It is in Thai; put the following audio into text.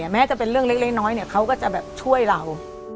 แม้จะเป็นเรื่องเล็กน้อยเขาก็จะแบบช่วยเรา